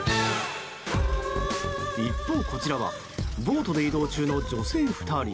一方、こちらはボートで移動中の女性２人。